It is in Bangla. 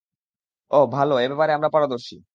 ওহ, ভালো, এ ব্যাপারে আমরা পারদর্শী।